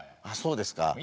ああそうですか。